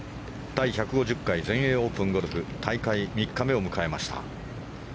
第１５０回全英オープンゴルフ大会３日目を迎えました。